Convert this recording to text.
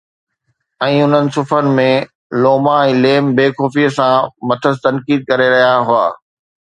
۽ انهن صفحن ۾، لوما ۽ ليم بي خوفيءَ سان مٿس تنقيد ڪري رهيا هئا